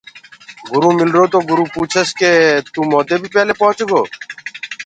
گُروٚ مِلرو تو گُرو پوٚڇس ڪيس ڪي تو موندي بي پيلي رس گو۔